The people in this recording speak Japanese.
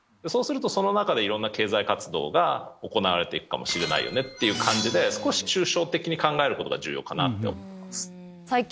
そうすると、その中でいろんな経済活動が行われていくかもしれないよっねっていう感じで、少し抽象的に考えることが重要かなと思います。